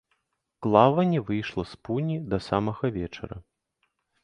Клава не выйшла з пуні да самага вечара.